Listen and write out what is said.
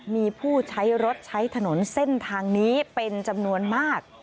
มีผู้ใช้รถใช้ถนนเส้นทางนี้เป็นจำนวนมาก